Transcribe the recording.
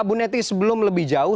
bu neti sebelum lebih jauh